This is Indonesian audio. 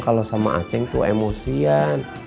kalau sama aceh tuh emosian